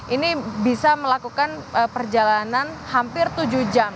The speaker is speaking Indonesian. ini bisa melakukan perjalanan hampir tujuh jam